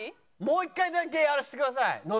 もう一回だけやらせてください野田で。